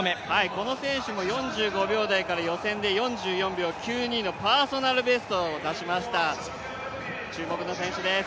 この選手も４５秒台から予選でパーソナルベストを出しました、注目の選手です。